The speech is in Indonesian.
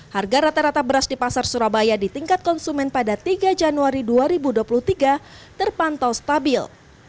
harga rata rata beras di pasar surabaya di tingkat konsumen pada tiga januari dua ribu dua puluh tiga terpantau stabil